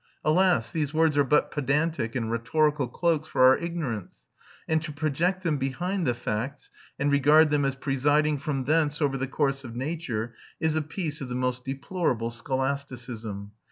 Alas, these words are but pedantic and rhetorical cloaks for our ignorance, and to project them behind the facts and regard them as presiding from thence over the course of nature is a piece of the most deplorable scholasticism.